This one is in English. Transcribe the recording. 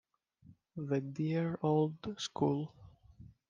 The dear old school!